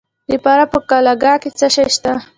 د فراه په قلعه کاه کې څه شی شته؟